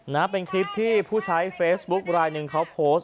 นะเป็นคลิปที่ผู้ใช้เฟซบุ๊คลายหนึ่งเขาโพสต์